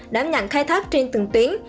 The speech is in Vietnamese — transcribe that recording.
đảm nhận khai thác trên từng tuyến